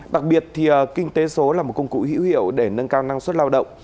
đặc biệt thì kinh tế số là một công cụ hữu hiệu để nâng cao năng suất lao động